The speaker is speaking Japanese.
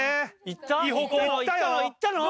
行ったの？